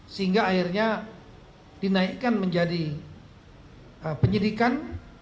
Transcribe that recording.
sehingga akhirnya dinaikkan menjadi penyidikan